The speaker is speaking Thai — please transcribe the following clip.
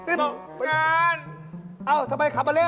เอ้าพี่เฟิร์น